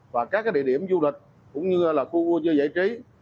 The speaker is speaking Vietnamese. và các địa điểm du lịch cũng như là khu vực giải trí